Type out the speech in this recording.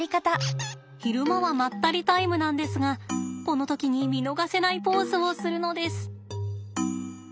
昼間はまったりタイムなんですがこの時に見逃せないポーズをするのです。